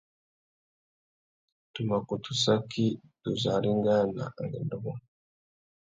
Tu mà kutu saki tu zu arengāna angüêndô mô.